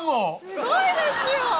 ⁉すごいですよ！